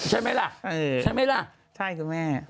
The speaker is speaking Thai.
ใช่ไหมล่ะใช่ไหมล่ะใช่คุณแม่